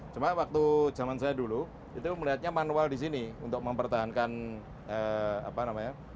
cuma waktu zaman saya dulu itu melihatnya manual di sini untuk mempertahankan apa namanya